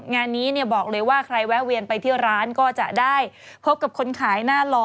งานนี้เนี่ยบอกเลยว่าใครแวะเวียนไปที่ร้านก็จะได้พบกับคนขายหน้าหล่อ